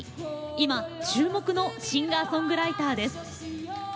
今、注目のシンガーソングライターです。